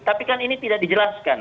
tapi kan ini tidak dijelaskan